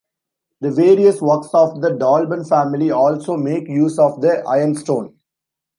The various works of the Dolben family also make use of the ironstone.